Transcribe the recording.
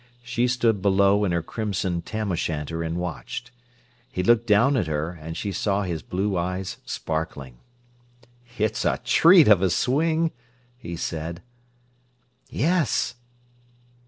She stood below in her crimson tam o' shanter and watched. He looked down at her, and she saw his blue eyes sparkling. "It's a treat of a swing," he said. "Yes."